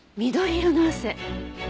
緑色の汗。